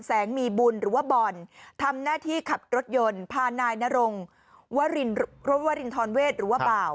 แสงมีบุญหรือว่าบอลทำหน้าที่ขับรถยนต์พานายนรงวรินทรเวศหรือว่าบ่าว